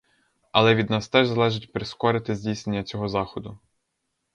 Але від нас теж залежить прискорити здійснення цього заходу.